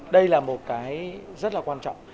đây là một cái rất là quan trọng